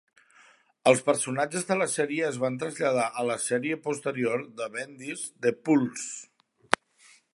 Els personatges de la sèrie es van traslladar a la sèrie posterior de Bendis "The Pulse".